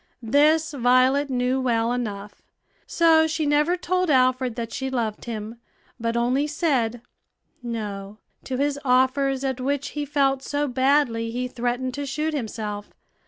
This Violet knew well enough; so she never told Alfred that she loved him, but only said "No" to his offers, at which he felt so badly he threatened to shoot himself.